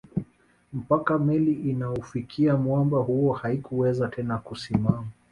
Mpaka meli inaufikia mwamba huo haikuweza tena kusimama